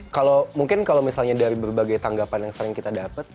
kalau mungkin kalau misalnya dari berbagai tanggapan yang sering kita dapat